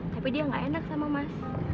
tapi dia nggak enak sama mas